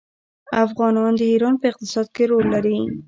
افغانان د ایران په اقتصاد کې رول لري.